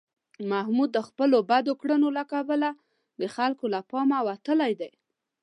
محمود د خپلو بدو کړنو له کبله د خلکو له پامه وتلی دی.